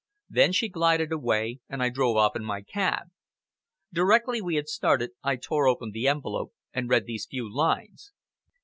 Then she glided away, and I drove off in my cab. Directly we had started, I tore open the envelope and read these few lines.